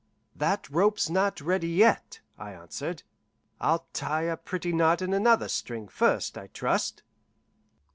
"That rope's not ready yet," I answered. "I'll tie a pretty knot in another string first, I trust."